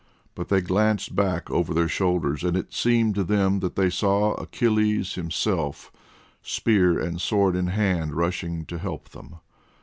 But they glanced back over their shoulders and it seemed to them that they saw Achilles himself, spear and sword in hand, rushing to help them.